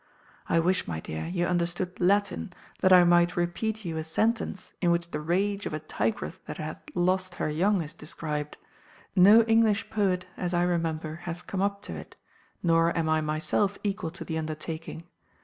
I wish, my dear, you understood Latin, that I might repeat you a sentence in which the rage of a tigress that hath lost her young is described. No English poet, as I remember, hath come up to it; nor am I myself equal to the undertaking.